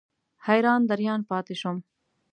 حیران دریان پاتې شوم.